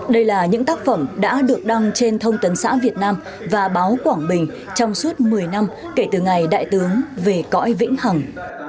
đây là những tác phẩm đã được đăng trên thông tấn xã việt nam và báo quảng bình trong suốt một mươi năm kể từ ngày đại tướng về cõi vĩnh hằng